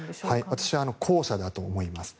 私は後者だと思います。